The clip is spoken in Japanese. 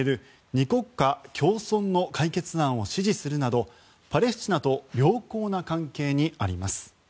２国家共存の解決案を支持するなどパレスチナと良好な関係にあります。